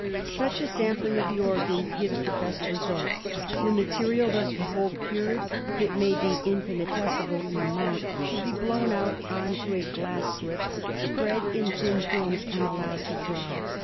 Such a sampling of the organ gives the best results. The material thus procured, it may be infinitesimal in amount, should be blown out on to a glass slip, spread in thin 1 82 DIAGNOSIS OF KALA AZAR. films and allowed to dry.